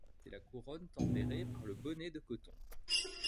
C’est la couronne tempérée par le bonnet de coton.